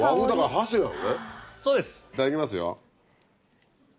いただきますよ。